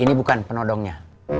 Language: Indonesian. ini bukan penodongnya